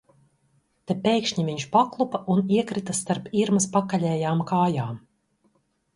Te pēkšņi viņš paklupa un iekrita starp Irmas pakaļējām kājām.